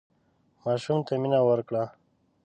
ماشومانو ته مینه ورکړه.